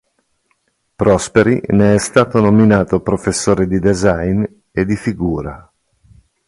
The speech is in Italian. Prosperi ne è stato nominato professore di design e di figura.